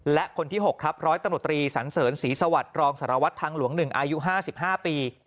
และคนที่๖ครับร้อยตำรวจตรีสันเสริญศรีสวัสดิ์รองสารวัตรทางหลวง๑อายุ๕๕ปี